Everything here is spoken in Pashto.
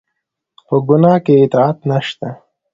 په ګناه کې اطاعت نشته